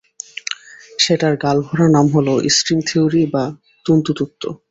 সেটার গালভরা নাম হলো স্ট্রিং থিওরি বা তন্তু তত্ত্ব।